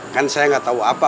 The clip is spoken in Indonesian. kan saya gak tau apa